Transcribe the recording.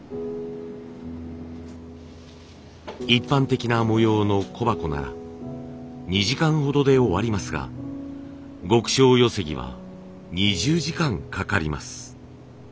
一般的な模様の小箱なら２時間ほどで終わりますが極小寄木は２０時間かかります。